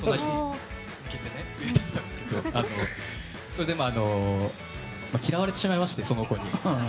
それで、嫌われてしまいましてその子に。